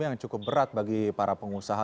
yang cukup berat bagi para pengusaha